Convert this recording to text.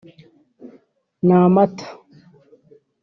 n’amata